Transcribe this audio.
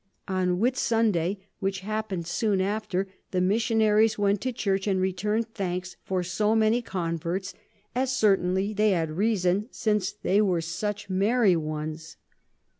On Whitsunday, which happen'd soon after, the Missionaries went to Church, and return'd Thanks for so many Converts; as certainly they had reason, since they are such merry ones.